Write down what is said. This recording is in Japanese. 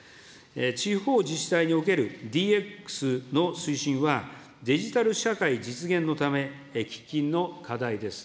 地方自治体におけるＤＸの推進は、デジタル社会実現のため、喫緊の課題です。